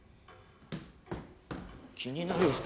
気になる。